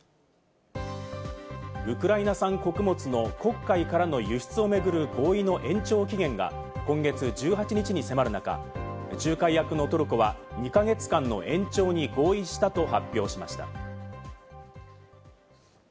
ウクライナ産穀物の黒海からの輸出を巡る合意の延長期限が今月１８日に迫る中、仲介役のトルコは２か月間の延長に合意したと発表しました。